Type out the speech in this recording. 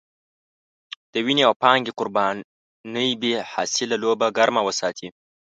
د وينې او پانګې قربانۍ بې حاصله لوبه ګرمه وساتي.